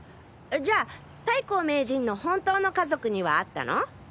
じゃあ太閤名人の本当の家族には会ったの？